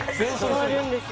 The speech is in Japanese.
変わるんですよ。